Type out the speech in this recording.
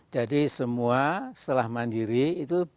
jadi semua setelah mandiri itu